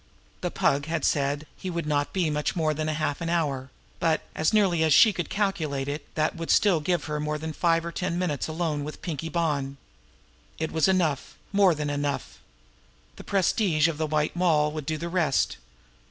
The Pug had said he would not be much more than half an hour, but, as nearly as she could calculate it, that would still give her from five to ten minutes alone with Pinkie Bonn. It was enough more than enough. The prestige of the White Moll would do the rest.